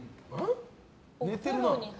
寝てるな。